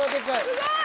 すごい！